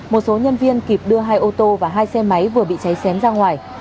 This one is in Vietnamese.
một số nhân viên kịp đưa hai ô tô và hai xe máy vừa bị cháy xém ra ngoài